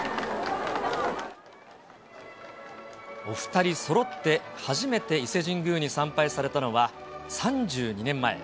お２人そろって初めて伊勢神宮に参拝されたのは、３２年前。